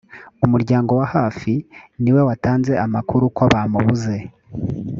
umuryango wa hafi niwe watanze amakuru ko bamubuze